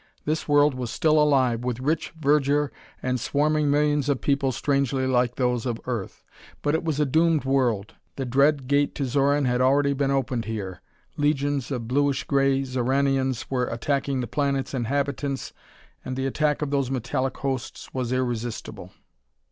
This world was still alive, with rich verdure and swarming millions of people strangely like those of Earth. But it was a doomed world. The dread Gate to Xoran had already been opened here. Legions of bluish gray Xoranians were attacking the planet's inhabitants, and the attack of those metallic hosts was irresistible.